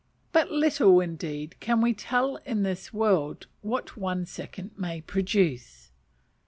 But little, indeed, can we tell in this world what one second may produce.